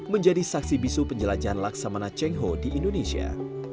menjadi saksi bisu penjelajahan laksamana tionghoa di indonesia